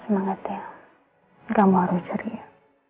semangatnya kamu harus ceria